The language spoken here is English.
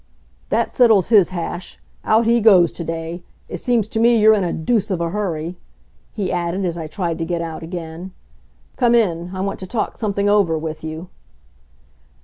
"That settles his hash. Out he goes to day ... It seems to me you're in a deuce of a hurry," he added, as I tried to get out again. "Come in; I want to talk something over with you."